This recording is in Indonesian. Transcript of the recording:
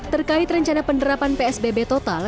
terkait rencana penerapan psbb total